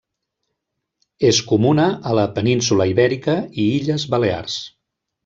És comuna a la península Ibèrica i Illes Balears.